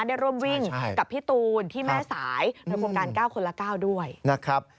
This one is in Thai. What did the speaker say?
ได้ร่วมวิ่งกับพี่ตูนที่แม่สายโดยโครงการ๙คนละ๙ด้วยนะครับ